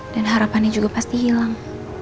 dan harapannya juga pasti hilang